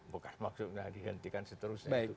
bukan maksudnya dihentikan seterusnya